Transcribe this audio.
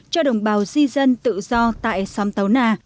cho đồng bào di dân tự do tại xóm tàu nà